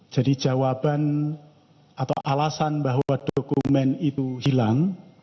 jadi jawaban atau alasan bahwa dokumen itu hilang